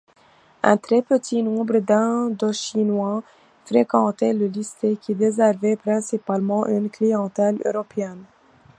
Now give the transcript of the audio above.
Un très petit nombre d'Indochinois fréquentaient le lycée, qui desservait principalement une clientèle européenne.